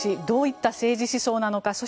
どういった政治思想なのか。